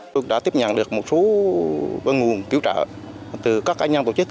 chúng tôi đã tiếp nhận được một số văn nguồn cứu trợ từ các anh nhân tổ chức